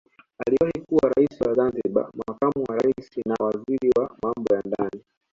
Aliwahi kuwa rais wa Zanzibar makamu wa rais na waziri wa Mambo ya ndani